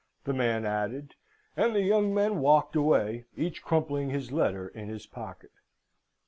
the man added. And the young men walked away, each crumpling his letter in his pocket.